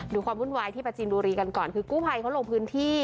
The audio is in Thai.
ความวุ่นวายที่ประจินบุรีกันก่อนคือกู้ภัยเขาลงพื้นที่